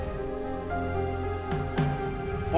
karena dari omongan aku seperti ada